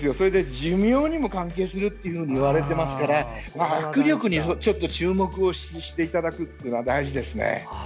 寿命にも関係するといわれるので握力に注目していただくのは大事ですね。